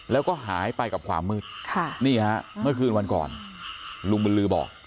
แล้วก็หายไปกับความมืดนี่ฮะเมื่อคืนวันก่อนลุงบุญลือบอก